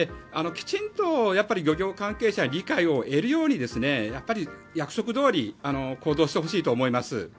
きちんと漁業関係者の理解を得るように約束どおり行動してほしいと思います。